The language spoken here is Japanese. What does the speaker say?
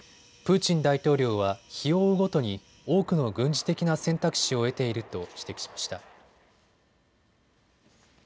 プーチン大統領は日を追うごとに多くの軍事的な選択肢を得ていると指摘しました。